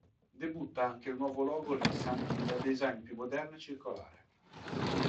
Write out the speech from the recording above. Debutta anche il nuovo logo Nissan dal design più moderno e circolare.